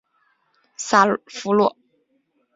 萨夫洛。